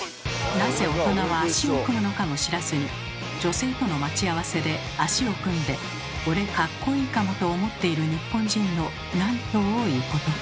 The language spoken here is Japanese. なぜ大人は足を組むのかも知らずに女性との待ち合わせで足を組んで「俺かっこいいかも」と思っている日本人のなんと多いことか。